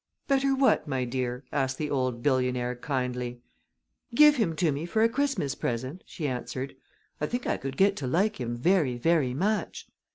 "Better what, my dear?" asked the old billionaire, kindly. "Give him to me for a Christmas present?" she answered. "I think I could get to like him very, very much."